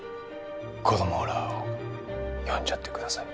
子供らを呼んじゃってください。